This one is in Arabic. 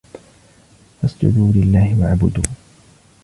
فَاسْجُدُوا لِلَّهِ وَاعْبُدُوا